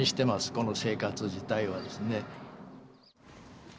この生活自体はですね。